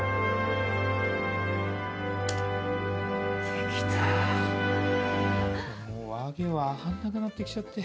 「できた」「訳分かんなくなってきちゃって」